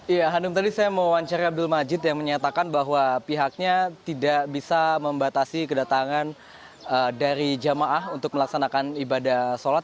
ya hanum tadi saya mewawancarai abdul majid yang menyatakan bahwa pihaknya tidak bisa membatasi kedatangan dari jemaah untuk melaksanakan ibadah sholat